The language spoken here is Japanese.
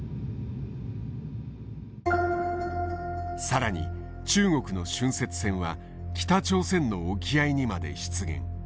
更に中国の浚渫船は北朝鮮の沖合にまで出現。